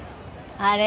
あれ？